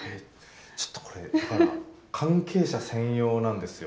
ちょっとこれ関係者専用なんですよ。